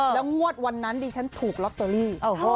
แล้วงวดวันนั้นดิฉันถูกลอตเตอรี่